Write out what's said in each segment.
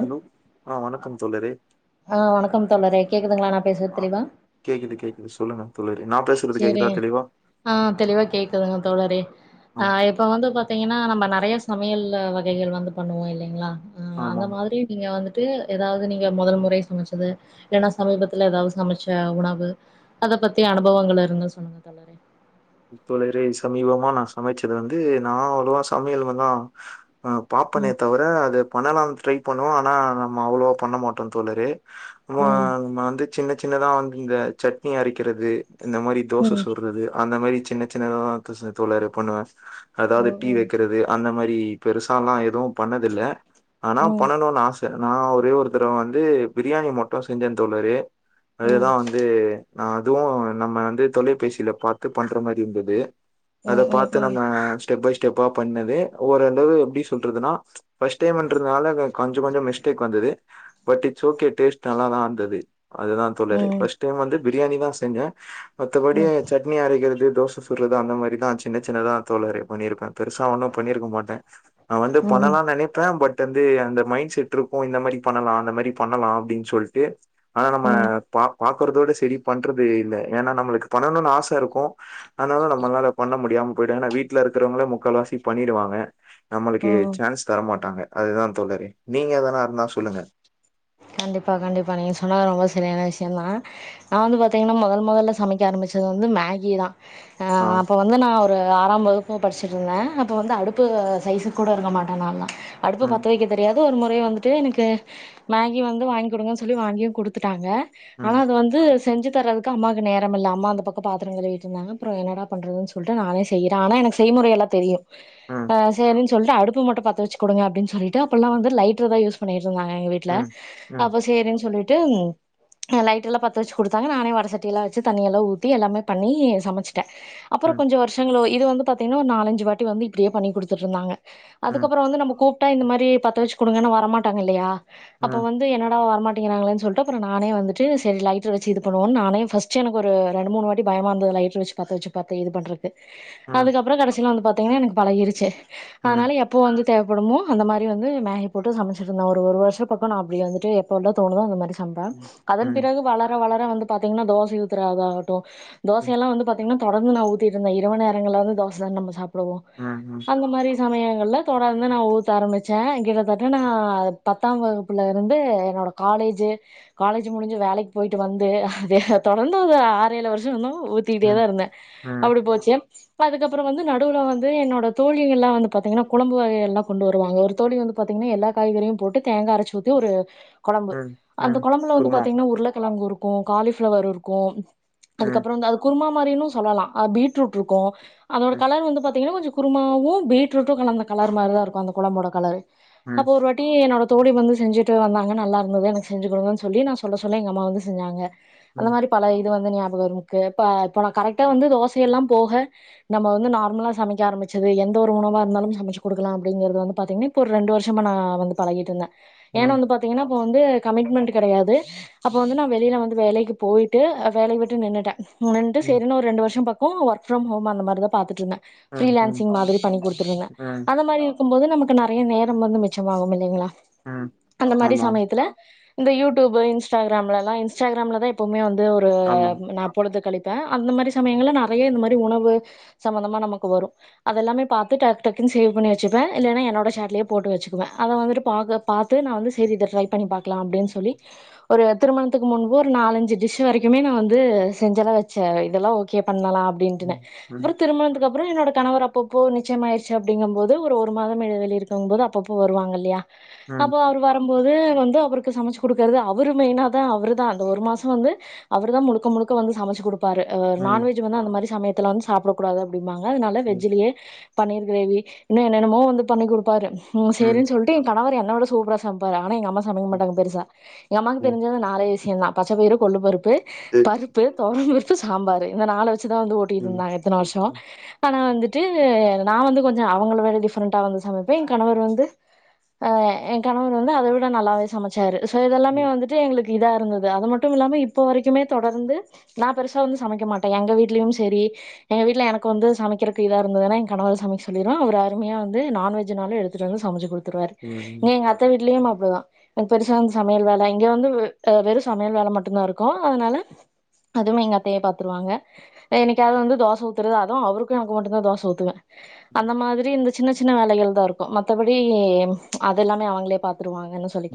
Hello ஆ வணக்கம் தோழரே ஆ வணக்கம் தோழரே கேக்குதுங்களா நான் பேசுறது ஆ தெளிவா கேக்குது கேக்குது சொல்லுங்க தோழரே நா பேசுறது சரி கேக்குதா தெளிவா ஆ தெளிவா கேக்குதுங்க தோழறே ஆ இப்ப வந்து பா பத்தீங்கன்னா நம்ம நறைய சமைய வகைகள் வந்து பண்ணுவோம் இல்லைங்களா ஆ அந்த ஆமாங் மாதிரி நீங்க வந்துடு ஏதாவது நீங்க முதல் முறை சமச்சது இல்ன்னா சமீபத்துல ஏதாவது சமைச்ச உணவு அத பத்தி அனு அனுபவங்கள் இருந்தா சொன்னுங்க தோழரே தோழரே சமீபமா நான் சமைச்சது வந்து நான் அவ்வளோவா சமையல் வ தான் ஆ பாப்பனே ம் தவிர அது பண்ணலாம் ட்ரை பண்ணுவோம் ஆனால் நம்ம அவ்வளோவா பண்ண மாட்டோம் தோழரே ஆமா ம் நம்ம வந்து சின்ன சின்னதா வந்து இந்த சட்னி அரைக்கிறது இந்த மாரி தோசை ம் சுட்றது அந்த மாரி சின்ன சின்னததா தோழரே பண்ணுவே அதாவது ம் டீ ம் வைக்கிறது அந்த மாரி ஈ பெருசால்லா எதுவும் பண்ணதில்ல ஆனா ம் பண்ணணுனு ஆச த நா ஒரே ஒருத்தடவ வந்து பிரியாணி மட்டு செஞ்சே தோழரே அது தா ம் வந்து நா அதுவு நம்ம வந்து தொலைபேசியில பாத்து பண் ற மாரி இருந்துது ம் அதப் ம் பாத்து ம் நம்ம ஸ்டெப் பை ஸ்டெப்பா பண்ணது ஓரளவு எப்டி சொல்றதுன்னா ஃபஸ்ட் டைமுன்றதுனால க கஞ்சக் கொஞ்சொ மிஸ்டேக் வந்துது பட் இட்ஸ் ஓகே டேஸ்ட் நல்லாதா இருந்துது அதுதா தோழரே ஃபஸ்ட் டைம் வந்து பிரியாணி தா செஞ்ச மத்தப் படி ம் சட்னி அரக்கிற து தோச சுட்றது அந்த மாரிதா சின்னச் சின்னதா தோழரே பண்ணியிருப்ப பெருசா ஒண்ணு பண்ணி இருக்க மாட்ட நா வந்து ம் பண்ணலான் நெனப்ப பட் டந்து அந்த மைண்ட் செட் இருக்கு இந்த மாதிரி பண்ணலா அந்த மாரி பண்ணலா அப்டின் சொல்ட்டு ஆனா நம்ம ம் ம் பா பாக்குறதோட சரி பண்றது இல்ல ஏன்னா நம்மளுக்கு பண்ணணுனு ஆச இருக்கு அன்னால நம்மளால பண்ண முடியாம போய்ட்டாங்கனா வீட்ல இருக்குறவங்கள முக்கால்வாசி பண்ணிடுவாங்க நம்மளுக்கு ம். சான்ஸ் தரமாட்டாங்க அதுதா தோழரே நீங்க எதுனா இருந்தா சொல்லுங்க கண்டிப்பா கண்டிப்பா நீங்க சொன்ன ரொம்ப சரியான விஷயந்தா நா வந்து பாத்தீங்கன்னா மொதல் மொதல்ல சமைக்க ஆரம்பிச்சது வந்து மேகி தா ஆ அப்ப வந்து நா ஒரு ஆறாம் வகுப் பு படிச்சிட்ருந்த அப்போ வந்து அடுப்பு சைஸுக் கூட இருக்க மாட்ட நால்லா அடுப்ப ம் பத்த வெக்க தெரியா து ஒரு முறை வந்துட்டு எனக்கு மேகி வந்து வாங்கி குடுங்கன் சொல்லி வாங்கியு குடுத்துட்டாங்க ஆனா ம் அத வந்து செஞ்சுத் தர்றதுக்கு அம்மாக்கு நேரமில்ல அம்மா அந்த பக்கொ பாத்ரொ கழுவிட்ருந்தாங்க அப்பறொ என்னடா பண்றதுன் சொல்ட்டு நானே செய்யிற ஆனா எனக்கு செய்முறையெல்லா தெரியு ம் ஆ செரி சொல்ட்டு அடுப்ப மட்டு பத்த வெச்சுக் குடுங்க அப்டின் சொல்லிட்டு அப்பல்லா வந்து லைட்டர் தா யூஸ் பண்ணிட்ருந்தாங்க எங் ட்ல ம் ம் அப்ப சேரின் சொல்லிட் டு அ லைட்டர்லா பத்த வெச்சிக் குடுத்தாங்க நானே வடசட்டியெல்லா வெச்சு தண்ணியெல்லா ஊத்தி எல்லாமே பண்ணி சமச் ட்ட அப்பறொ ம் கொஞ்சொ வருஷங்களோய் இது வந்து பாத்தீங்னா ஒரு நாலஞ்சு வாட்டி வந்து இப்டியே பண்ணி குடுத்துட்ருந்தாங்க ம் அதுக்கப்பறொ வந்து நம்ம கூப் டா இந்த மாரி பத்த வச்சுக் குடுங்கன்னா வரமாட்டாங்க இல்லயா அப்ப ம் வந்து என்னடா வரமாட் டிங்கிறாங்களேன் சொல்ட்டு அப்பறொ நானே வந்துட்டு செ லைட்ர வெச்சி இது பண்ணுவோன் நானே ஃபஸ்ட்டு எனக்கு ஒரு ரெண்டு மூணு வாட்டி பயமா இருந்தது லைட்ரு வெச்சி பத்த வெச்சி பத்த இது பண்றக்கு ம் அதுக்கப்பறோ கடசீல வந்து பாத் தீங்னா எனக்கு பழகிருச்சி ம் அதனால எப்போ வந்து தேவப்படுமோ அந்த மாரி வந்து மேஹி போட்டு சமச்சிட்ருந்த ஒரு ஒரு வர்ஷத் பக்கொ நா அப்டி வந்துட்டு எப்பவுல தோணுதோ அந்த மாரி சம்ப்ப ம் அதன் ம் பிறகு வளர வள ர வந்து பாத்தீங்னா தோசை ஊத்துர ஆக ஆவட் டு ம் ம் தோசையெல்லா வந்து பாத்தீங்னா தொடர்ந்து நா ஊத்திட்ருந்த இரவு நேரங்கள்ல வந்து தோச தான் நம்ம சாப் ப்டுவோ ம் அந்த மாரி சமயங்கள்ல தொடர்ந்து நா ஊத்த ஆரம்பிச்சே கிட்டத்தட்ட நா பத்தாம் வகுப் புலேருந்தே என்னோட காலேஜு காலேஜு முடிஞ்சி வேலைக் போயிட்டு வந்து அத தொடர்ந்து ஒரு ஆறு ஏழு வர்ஷொ [unintelligible] ஊத்திட்டே தா இருந்த ம் ம் அப்டி போச்சி அதுக்கப்பறொ வந்து நடுவ்ல வந்து என்னோட தோழிகள்லா வந்து பாத்திங்கன்னா குழம்பு வகைகள்லா கொண்டு வருவாங்க ஒரு தோழிவந்து பாத்திங்கன்னா எல்லா காய்கறியும் போட்டு தேங்கா அரச்சி ஊத் தி ஒரு கொழம்பு ம் அந்த ம் கொழம்புல வந்து குருமா பாத்தீங்னா உருளக்கெழங்கு இருக் கு காளி ஃப்ளவர் இருக்கு ம் அதுக்கப்றொ வந்து அது குருமா மாரினு சொல்லலா அ பீட்ரூட்ருக்கு அதோட ம் கலர் வந்து பாத்திங்கன்னா கொஞ்சொ குருமாவு பீட்ரூட்டு கலந்த கலர் மாரிதா இருக்கு அந்த கொழம்போட கலரு ம் அப்ப ஒரு வாட்டி என்னோடத் தோழி வந்து செஞ்சிட்டு வந்தாங்க நல்லாருந்தது எனக்கு செஞ்சு குடுங்கன் சொல்லி நா சொல்ல சொல்ல எங்க அம்மா வந்து செஞ்சாங்க அந்த ம், மாரி பல இ து வந்து ஞாபகொ வரு கேட்டா இப்ப நா கரெக்ட்டா வந்து தோசையெல்லா போஹ நம்ம வந்து நார்மலா சமைக்க ஆரம்பிச்சது எந்த ஒரு உணவா இருந்தாலும் சமச்சிக் குடுக்குலா அப்டிங்கெறது வந்து பாத்தீங்னா இப்ப ஒரு ரெண்டு வர்ஷமா நா வந்து பழகிட்ருந்த ஏனா ம், வந்து பாத்திங்கனா அப்போ வந்து கமிட்மெண்ட்டு கெடையாது அப்ப வந்து நா வெளியில வந்து வேலைக்கி போயிட்டே அப்ப வேலைய விட்டு நின்னுட்ட நின்ட்டு ம், சேரினு ஒரு ரெண்டு வர்ஷோ பக் ஒ ஒர்க் ஃப்ரம் ஹோம் அந்த மாரிதா பாத்துட்ருந்தே ம், ம், ஃப்ரிலான்சிங் மாதிரி பண்ணி கொடுத்திட்ருந்தே ம், அந்த மாரி கும் போது நமக்கு நெறைய நேரம் வந்து மிச்சமாகும் இல்லைங்களா ம். அந்த மாரி ஆமா, சமயத்துல இந்த யூடியூப் இன்ஸ்டாகிராம்லலா இன்ஸ்டாகிராம்லதா எப்பவுமே வந் து ஒரு ஆமா. நா பொழுது களித் ப்பே அந்த மாரி சமயங்கள்ல நிறைய இந்த மாரி உணவு சம்மந்தமா நமக்கு வரும் அதெல்லாமே பாத்து டக் டக்குன் சேவ் பண்ணி வச்சிப்பே இல்லனா என்னோட சேட்லையே போட்டு வச்சுக்குவே அத வந்துட்டு பாகு பாத்து நா வந்து செரி இத ட்ரை பண்ணி பாக்லா அப்டின் சொல்லி ஒரு திருமணத்துக்கு முன்பு ஒரு நாலஞ்சு டிஷ் வரைக்குமே நா வந்து செஞ்செல்லா வச்சே இதெல்லா ஓகே பண்ணலா அப்படின்ட்டனு ம், ம், அப்பறோ திருமணத்துக்கு அப் அப்புறம் என்னோட கணவர் அப்பப்போ நிச்சயமாயிருச்சு அப்படிங்கும்போது ஒரு ஒரு மாதம் இடைவெளி இருக்கும்போது அப்பப்போ வருவாங்க இல்லையா அப்போ ம், அவர் வரம் போதே வந்து அவருக்கு சமச்சு கொடுக்கறது அவரு மெயினா தா அவரு தா அந்த ஒரு மாசம் வந்து அவரு தா முழுக்க முழுக்க வந்து சமச்சு கொடுப் பாரு அ ம், நான்வெஜ் வந்து அந்தமாரி சமையப் த்துலா வந்து சாப்டகூடாது அப்டி மாங்கா அதனால ம், வெஜ்லயே பன்னீர் கிரேவி இன்னு என்னென்னமோ வந்து பண்ணி கொடுப்பாரு ம் சேரின் சொல்ட்டு என் கணவர் என்ன விட சூப்பரா சமப்பாரா ஆனா எங்க அம்மா சமைக்க ம், மாட்டாங்க பெருசா எங்க அம்மாக்கு ம். தெரிஞ்சது நாலேஸ் ச்சின்னா பச்சபயிரு கொல்லு பருப் ப்பு சரி. பருப்பு தொவரம் பருப் பு சாம்பாரு இந்த நாள வச் சு தா வந்து ஓட்டிட்டு ம், இருந்தாங்க இத்தன வருஷோ ம், ஆனா வந்து டு நா வந்து கொஞ்சோ அவங்கள விட டிஃபரெண்டா வந்து சமைப்பே என் கணவர் வந்து ஆ கணவர் வந்து அத விட நல்லாவே சமச்சாரு இந்த இதல்லாமே ம், வந்துட்டு எங்களுக்கு இதா இருந்தது அது மட்டும் இல்லாம இப்போ வரைக்குமே தொடர்ந்து நா பெருசா வந்து சமைக்க மாட்டே எங்க வீட்லயு சரி எங்க வீட்ல எனக்கு வந்து சமைக்கிறதுக்கு இதா இருந்ததுன்னா என் கணவர சமைக்க சொல்லிருவே அவரு அருமையா வந்து நான்வெஜ்னாலு எடுத்துட்டு வந்து சமச்சு கொடுத் துருவாரு ம், இன்னு எங்க அத்த வீட்லயே ப்டிதா எனக்கு பெருசாந்த சமையல் வேல இங்க வந்து வெறு சமையல் வேல மட்டும்தா இருக்கு அதனால அதுவுமே எங்க அத்தையே பாத்துருவாங்க என்னைக்காவது வந்து தோச ஊத்துறது அதுவு அவருக்கு எனக்கு மட்டு தா தோச ஊத்துவே அந்த மாதிரி இந்த சின்ன சின்ன வேலைகள் தா இருக்கும் மத்தபடி அது எல்லாமே அவங்களே பாத்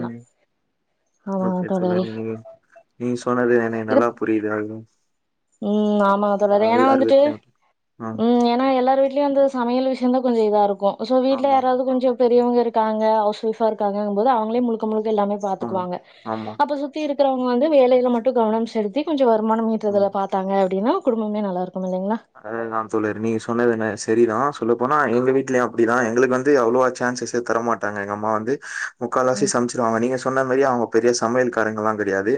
ம் ஓகே தோழரே நீ நீங்க சொன்னது எனக்கு இது நல்லா புரியுது அது ம் ஆமாங்க ஆ, தோழரே ஏன்னா எல்லார் வந்துட்டு வீட்லயும் ஆ, ம் ஏன்னா எல்லாரு வீட்டு ல வந்த சமையல் விசய தா கொஞ்ச இதா இருக்கு சோ வீட்ல ஆமா யாராவது கொஞ்சம் பெரியவங்க இருக்காங்க ஹவுஸ்வைபெ இருக்காங்க போது அவங்கலே முழுக்க முழுக்க எல்லாமே ஆமா பாத்துக்குவாங்க ஆமா அப்ப சுத்தி இருக் வங்க வந்து வேலைலா மட்டும் கவனம் செலுத்தி கொஞ்ச வருமானம் ஈட்டுது பார்த்து அப்படின்னா குடும்பமே நல்லா இருக்கு அத தா தோழரே நீங்க சொன்னது என்ன சரிதான் சொல்லப்போனா எங்க வீட்லயும் அப்படிதான் எங்களுக்கு வந்து அவளோ சான்சஸ் தரமாட்டாங்க எங்க அம்மா வந்து முக்கால்லாசி ம் சமைச்சிருவாங்க நீங்க சொன்ன மாரி அவங்க பெரிய சமையல் காரங்கள்லாம் கடையாது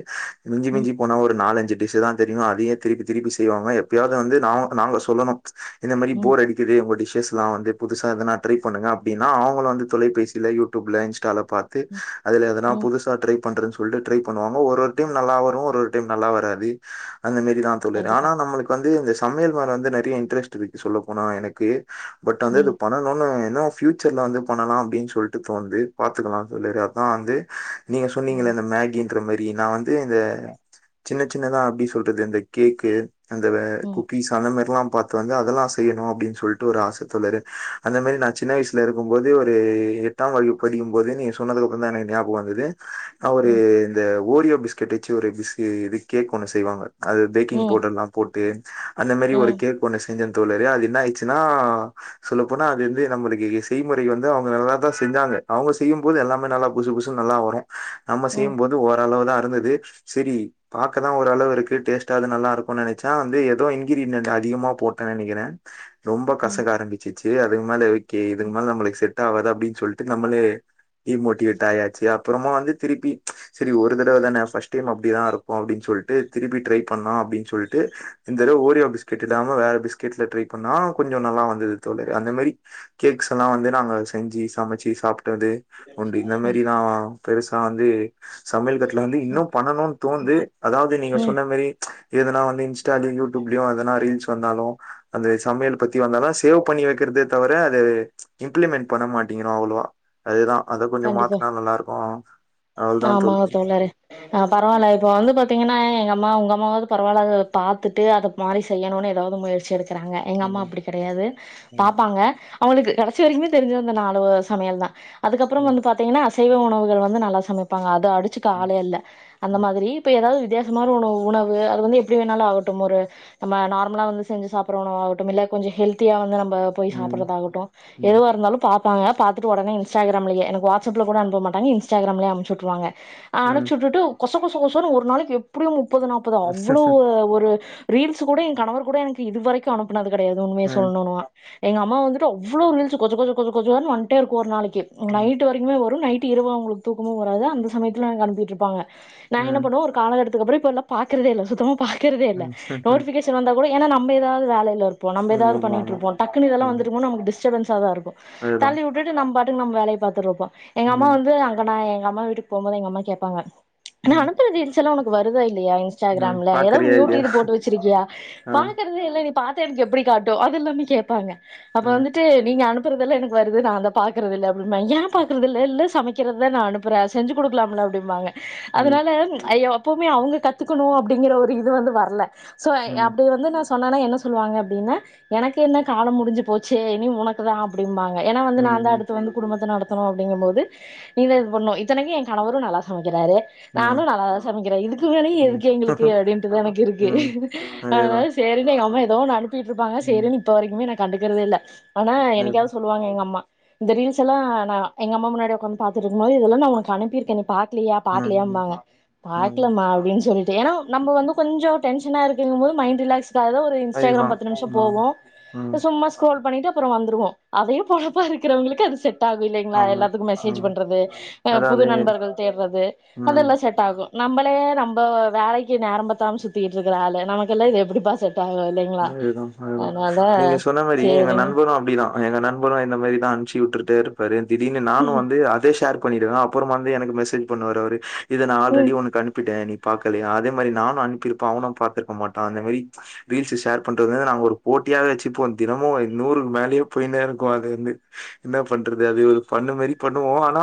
மிஞ்சி ம் மிஞ்சி போனா ஒரு நாலஞ்சு டிஸ் தான் தெரியும் அதையும் திருப்பி திருப்பி செய்வாங்க எப்பயாவது வந்து நாங்க நாங்க சொல்லணும் இந்த மாரி ம் போர் அடிக்குது உங்க டிஸ் எல்லாம் வந்து புதுசா ட்ரை பண்ணுங்க அப்படின்னா அவங்க வந்து தொலைபேசியில் யூடியூப்ல இன்ஸ்டால பாத்து ம் அதுல எதனா ம் புதுசா ட்ரைப் பண்று சொல்லிட்டு ட்ரை பண்ணுவாங்க ஒரு ஒரு டைம் நல்லா வரும் ஒரு ஒரு டைம் நல்லா வராது அந்த மாரிதான் தோழர் கண்டிப்பா ஆனா நம்மளுக்கு வந்து இந்த சமையல் மேல நறைய இன்ட்ரெஸ்ட் இருக்கு சொல்ல போன எனக்கு பட் ம் இந்த பண்ணனும்னு ஏன்னா ஃபியூச்சர்ல வந்து பண்ணலாம் அப்படின்னு சொல்லிட்டு தோன்னுது பாத்துக்கலாம் தோழரே அதான் வந்து நீங்க ம் சொன்னீங்கலே இந்த மேகி இந்த மாரி நான் வந்து இந்த சின்ன சின்னதா அப்படி சொல்றது இந்த கேக்கு அந்த ம் குக்கீஸ் அந்த மாரி எல்லா பார்த்து வந்து அதெல்லா செய்யணும் அப்படின்னு சொல்லிட்டு ஒரு ஆசை தொரு அந்த மாதிரி நான் சின்ன வயசுல இருக்கும் போது ஒரு எட்டாம் வகுப்பு படிக்கும் போது நீ சொன்னதுக்கப்புறம் தான் எனக்கு ஞாபகம் வந்தது அவரு ம் இந்த ஓரியோ பிஸ்கெட் வச்சு ஒரு பிஸ் இது கேக் ஒண்ணு செய்வாங்க அது பேக்கிங் ம் பவுடர் எல்லாம் போட்டு தேன் அந்த மாரி ம் ஒரு ம் கேக் ஒண்ணு செஞ்ச தோழரே அது என்ன ஆயிச்சுன்னா சொல்லப்போனா அது வந்து நம்மளுக்கு செய்முறை வந்து அவங்க நல்லா தான் செஞ்சாங்க அவங்க செய்யும் போது எல்லாமே நல்லா புசு புசுன்னு நல்லா வரும் நம்ம ம் செய்யும் போது ஓரளவு தான் [unintelligible] செரி பாக்கதா ஓரளவு இருக்கு டேஸ்டாது நல்லாருக்குன் நெனச்சா வந்து எ தோ இன்கிரீயன்ட் அதிகமா போட்டே நெனைக்கிறே ரொம்ப ம் கசக்க ஆரம்பிச்சு சேர் அதுக்கு மேல ஓகே இதுக் மேல நம்லுக்கு செட் ஆகாது அப்டின் சொல்ட்டு நம்மளே டீமோட்டிவேட் ஆயாச்சி அப்புறமா வந்து திருப்பி ச்ச் செரி ஒரு தடவதான ஃபஸ்ட் டைம் அப்படிதா ருக்கோ அப்டின் சொல்ட்டு திருப்பி ட்ரை பண்லா அப்டின் சொல்ட்டு இந் தடவு ஓரியோ பிஸ்கெட் இல்லாம வேற பிஸ்கெட்லே ட்ரை பண்ணா கொஞ்சோ நல்லா வந்தது தோழரே அந்த மாரி கேக்ஸ் எல்லா வந்து நாங்க செஞ்சு சமச்சு சாப் ணது உண்டு இந்த ம் மாரிதா ஆ பெருசா வந்து சமய்ல் கட்ல வந்து இன்னு பண்ணனுன் தோன்து அதாவ்து நீங்க ம் சொன்ன மாரி ச்ச் எதுனா வந்து இ ன்ஸாட்யு யூடுப்லியு அதெல்லா அரேஞ்ச் வந்தாலு அந்த சமையல் பத்தி வந்தாலு சேவ் பண்ணி வெக்கற்தே தவிர அது ச்ச் இம்ப்ளிமெண் பண்ண மாட்டீங்கிறோ அவ்ளோவா அதேதா கண்டிப்பா அவ்ளதா ஆமாங்க தோழி தோழரே ஆ பரவால்ல இப்ப வந்து பாத்தீங்கன்னா எங் அம்மா உங்க அம்மாவது பரவால்ல அத பாத்துட்டு அத மாறி செய்யணுனு எதாவ்து முயற்சி எடு க்கிறாங்க இருக்காங்க எங்க அம்மா ம் அப்புடி கெடையாது ம் பாப்பாங்க அவுங்களுக்கு கடைசி வரிக்குமே தெரிஞ்ச நாலு வ சமையல் தா அப்பறம் ம் வந்து பாத்தீங்கன்னா அ சைவ உணவுகள் வந்து நல்லா சமைப்பாங்க அ த அடிச்சிக்க ம் ஆளே இல்ல அந்த ம் மாதிரி இப்ப எதாவ்து வித்தியாசமான உணவு உணவு அது வந்து எப்டி வேணாலு ஆகட்டு ஒரு நம்ம நார்மலா வந்து செஞ்சு சாப்புற உணவு ஆகட்டும் இல்ல கொஞ்சு ஹெல்த்தியா வந்து நம் ப போய் ம் சாப்பிட்றதாகட்டு ம் எதுவ இருந்தாலும் பாப் பாங்க பாத்துட்டு ஒடனே இன்ஸ்டா கிராம்லியே எனக்கு வாடஸப்லகூட அனுப்ப மாட்டங்க இன்ஸ்டாகிராம்ல அம்ச்சு வுட்ருவாங்க ஆ ம் ம் ம் அனுப்சுட்டுட்டு கொ ச கொசு கொசன்னு ஒரு நாளைக் எப்புடியு முப் பது நாப்பது அவ்வளோ ஒ ஒரு ரீல்ஸு கூட எ கணவர் கூட எனக்கு இதுவரைக்கு அனுப்புனது கெடையாது உண்மிய ம் சொல்னோனா எங்க அம்மா வந்துட்டு அவ்வளோ ரீல்ஸு கொஜ கொஜ கொஜ கொஜோன்னு வந்டே இருக்கோ ஒரு நாளைக்கி நைட்டு வரிக்குமே வரும் நைட் டு இரவு அவுங்குளுக் தூக்கமு வராது அந்த சமயத்ல எனக்கு அனுப்விட்ருப்பாங்க நா என்ன பண்ணுவ ஒரு காலகட்ட அதுக்கப்புறோ இப்போலா பாக்கிறதே இல்ல சுத்தமா பாக் கிறதே இல்ல ம் ம் நோட்டிபிகேஷன் வந்தா கூட ஏன்னா நம்ப எதாவ்து வேலைல இருப் நம்ம ம், ஏதாவது ஆமா ஆமா பண்ணிருப்போ டக்கு இதெல்லா ஆமா வந்துட்டுக்கு போ நமக்கு டிஷ் டிஸ்டபென்ஸாதா இருக்கு அதுதா தள்ளி வுட்டுட்டு நம்ப து நம்ம வேலைய பாத்துட்றுப்போ எங்க அம்மா ம் வந்து அங்கனா அம்மா வீட்டுக்கு போம்போது எங்க அம்மா கேப்பாங்க நா ம் அனுப்புற ரீல்ஸ்லா ஒனக் வருதாய் ல்லா ம் இன்ஸ்டாகிராம்ல ஏதோ பாக்குறியா மியூட் இல்லையா இது போட்டு வச்சிருக்கியா ஆ பாகறதேல்ல இப் பாத்த எனக்கு எப்டி காட்டு அது எல்லாமே கேட்பாங்க அப்ப ம் வந்துட்டு நீங்க அனுப் அனுப்புறது எல்லா எனக்கு வருது நா அத பா அப்ப ஏ பாக்குறதுல்ல சமைக்கிறதுதா நா அனுப்புற செஞ்சு கொடுலாம்ல அப்டிபாங்க ம் அதனால ஐய்யோ எப்பவுமே அவங்க கத்துக்கணு அப்டிங்கிற ஒரு இது வந்து வரல சோ ம் ம் அப்டி வந்து நா சொ சொன்னனா என்ன சொல்லுவாங்க அப்டின்னா எனக்கு என்ன கால முடிஞ்சு போச்சு இனி உனக்குதா அப்படிம்பாங் ஏன்னா வந்து நாந்தா ம் அடுத் குடும்பத்த நடத்தணு அப்படிங்கு போது நீங்கதா இது பண்ணணு இத்தனைக்கு ஏ கணவரு நல்லா சமைப் றாரு நானு ம் நல்லாதா சமைக்கிறே இதுக்கு மேல ம் எதுக்கு எங்களுக்கு அப்டின்ட்டுதா எனக்கு இருக்கு ம் அதேதா அதனால சரி எங்க அம்மா தோ நாலு ப்பிட்ருப்பங்க ம் சரி இப்ப வரைக்குமே கண்டுக்கறதுல்ல ஆனா அதேதா என்னைக்காவது சொல்லுவாங்க எங்க அம்மா இந்த ரீல்ஸ் எல்லா ந எங்க அம்மா முன்னாடி ஒக்காந்து பாத்துட்ருக்கு போது இதெல்லா நா உனக்கு அனுப்பிருக்க பாக்கலையா ம் ம் பாக்கலையாம்பாங்க ம் பாக்லமா அப்டின் சொல்லிட் ஏன்னா நம்ம வந்து கொஞ்ச டென்ஷனா இருக்குங்கும்போது மைண்ட் ரிலாக்ஸ் அது ஒரு அதேதா இன்ஸ்டாகிராம் பத்து நிமிஷம் ம் போவு ம் சும்மா ஸ்கரோல் பண்ணிட்டு க்கிற வந்துருவோ அதையு பொலப்பாருக்கு க்றவங்களுக்கு அது செட் ட்டாகு இல்லைங்களா ஆமா எல்லாத்துக்கு மெசேஜ் ம் பண்றது புது அதாவது நண்பர்கள் தேடுறது ம் அதெல்லா செட் ஆகு நம்மளே நம்ப வேலைக்கு நேர பத்தாம சுத்திட்டு இருக்கறாளு நமக்கெல்லா இது எப்படிப்பாஸ் அதேதா அதேதா நீங்க சொன்ன மாரி எங்க சேரிங்க நண்பரு அப்டிதா எங்க நண்பரு இந்த மாரிதா சீவுட்டுட்டே இருப்பாரு திடீனு நானு வந்து அதே ஷேர் பண்ணிடுவ அப்புறம் வந்து எனக்கு மெசேஜ் பண்ணுவாரு அவுரு இத நா ம் ஆல்ரெடி உனுக் அனுப்பிட்டே நீ பாக்கலியா அதே மாரி நானு அனுப்பிருப்ப அவனு பாத்துருக்க மாட்டா அந்த மேரி ச்ச் ரீல்ஸு ஷேர் பண்றத்னே நாங்க ஒரு போட்டியாவே வெச்சுப்போ தினமு [unintelligible] நூருக்கு மேலேயே போய்னேருக்கு அது வந்து இன்ன பண்றதது அது ஒரு ஃபன்னு மாரி பண்ணுவோ ஆனா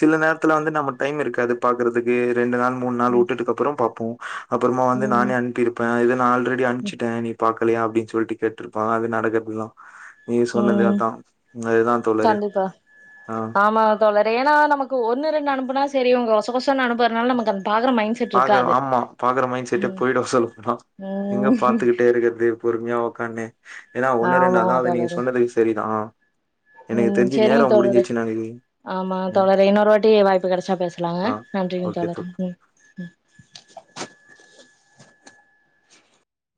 சில நேர்த்துல வந்து நமக் டைம் இருக்காது பாக்கறதுக்கு ரெண்டு நாள் மூன் நாள் ம் வுட்டுட்டுக்கப்றோ பாப்போம் அப்புற்மா வந்து ம் நானே அன்ப்பிருப்பே இத ஆல் ரெடி அன்ம்ச்சிட் நீ பாக்கலையா அப்டின் சொல்ட்டு கேட்ருப்பா அது நடக்கற்துதா ம் கண்டிப்பா ஆ ஆமாங்க தோழரே ஏன்னா நமக்கு ஒண்ணு ரெண்டு அனுப்புனா தெரியு கொச கொசன்னு அனுப்புற்னால நமக்கந் பாக்குற ஆமா பாக்குற மைண் செட்டே ம் போய்டு சொல்லப்போனா எங்க ம் பாத்துக்கிட்டே இருக்கிற்து பொரும்யா உக்கான்னே ஏன்னா ஒண்ணு ரெண்டு ஆமா அதாவ்து நீங்க தோழரே சொன்னதுக் செரிதா அ ம் செரிங்க தோழரே நெனைக்கிறே ஆமா ம் தோழரே இன்னொரு வாட்டி வாய்ப்பு கெடச்சா பேஸ்லான் ஆ நன்றிங்க ஓகே தோழரே தோழி ம் ம்